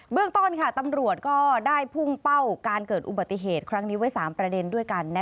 เรื่องต้นตำรวจก็ได้พุ่งเป้าการเกิดอุบัติเหตุครั้งนี้ไว้๓ประเด็นด้วยกัน